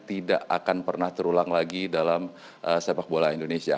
tidak akan pernah terulang lagi dalam sepak bola indonesia